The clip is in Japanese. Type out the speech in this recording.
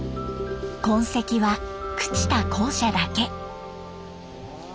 痕跡は朽ちた校舎だけ。